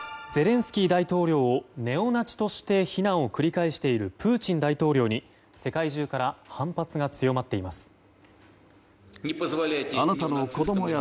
ゼレンスキー大統領をネオナチとして非難を繰り返しているプーチン大統領に世界中から反発が強まっています。